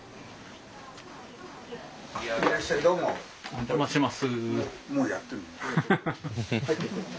お邪魔します。